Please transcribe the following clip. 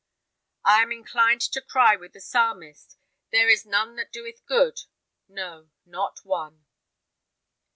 I am inclined to cry with the Psalmist, 'There is none that doeth good; no, not one.'"